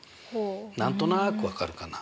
何となく分かるかな？